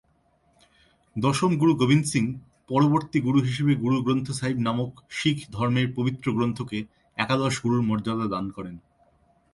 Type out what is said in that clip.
দশম গুরু গোবিন্দ সিংহ পরবর্তী গুরু হিসেবে গুরু গ্রন্থ সাহিব নামক শিখ ধর্মের পবিত্র গ্রন্থকে একাদশ গুরুর মর্যাদা দান করেন।